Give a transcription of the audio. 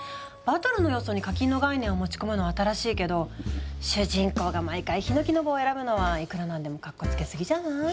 バトルの要素に課金の概念を持ち込むのは新しいけど主人公が毎回ひのきの棒を選ぶのはいくら何でもかっこつけすぎじゃない？